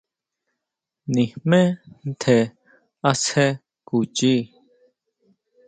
Nijmé ntjen asje kuchii.